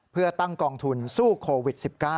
เพื่อตั้งกองทุนสู้โควิด๑๙